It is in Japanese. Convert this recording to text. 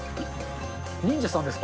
忍者さんですか。